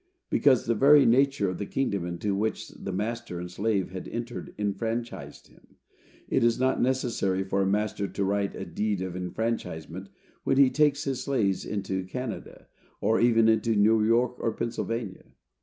Because the very nature of the kingdom into which the master and slave had entered enfranchised him. It is not necessary for a master to write a deed of enfranchisement when he takes his slaves into Canada, or even into New York or Pennsylvania.